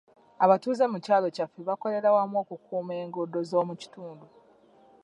Abatuuze mu kyalo kyaffe bakolera wamu okukuuma enguudo z'omu kitundu.